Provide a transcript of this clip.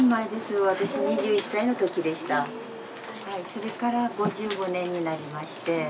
それから５５年になりまして。